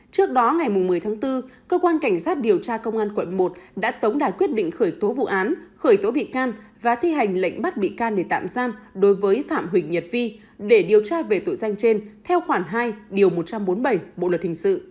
trước đó ngày một mươi tháng bốn cơ quan cảnh sát điều tra công an quận một đã tống đạt quyết định khởi tố vụ án khởi tố bị can và thi hành lệnh bắt bị can để tạm giam đối với phạm huỳnh nhật vi để điều tra về tội danh trên theo khoản hai điều một trăm bốn mươi bảy bộ luật hình sự